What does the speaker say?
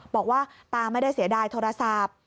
บอกว่าตาไม่ได้เสียดายโทรศัพท์